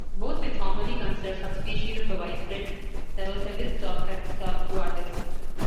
Both were formerly considered subspecies of a widespread "Cercocebus torquatus".